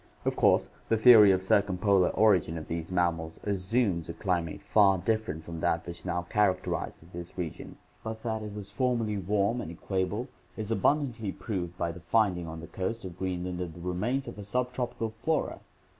Of course the theory of circumpolar origin of these mammals assumes a climate far different from that which now characterizes this region; but that it was formerly warm and equable is abundantly proved by the finding on the coast of Green land of the remains of a sub tropical flora.